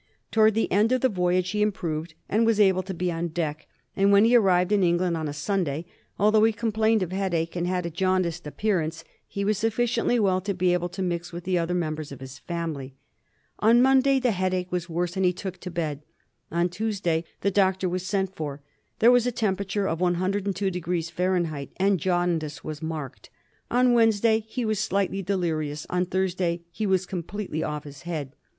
Towards the end of the voyage he improved and was able to be on deck; and when he arrived in England on a Sunday, although he complained of headache and had a jaundiced appearance, he was sufficiently well to be able to mix with the other mem bers of his family. On Monday the headache was worse and he took to bed ; on Tuesday the doctor was sent for. There was now a temperature of 102^ F. and jaundice was marked. On Wednesday he was slightly delirious: on Thursday he was completely off his head.